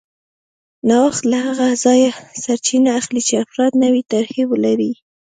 نوښت له هغه ځایه سرچینه اخلي چې افراد نوې طرحې ولري